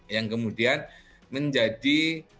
yang kemudian menjadi